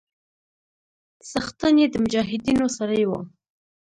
څښتن يې د مجاهيدنو سړى و.